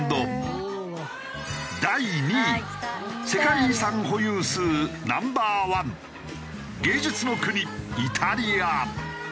第２位世界遺産保有数ナンバーワン芸術の国イタリア。